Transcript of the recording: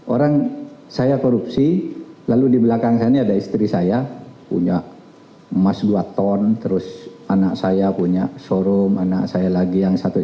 orang saya korupsi lalu di belakang saya ini ada istri saya punya emas dua ton terus anak saya punya showroom anak saya lagi yang satu